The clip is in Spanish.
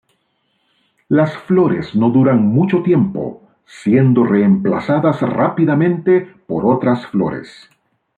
Las flores no duran mucho tiempo, siendo reemplazadas rápidamente por otras flores.